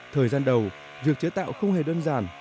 thời gian đầu việc chế tạo không hề đơn giản